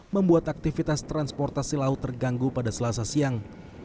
membuat aktivitas transportasi laut terganggu pada selasa siang